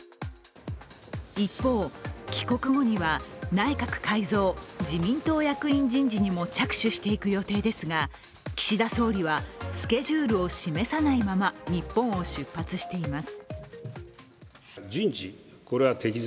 一方、帰国後には内閣改造・自民党役員人事にも着手していく予定ですが、岸田総理はスケジュールを示さないまま日本を出発しています。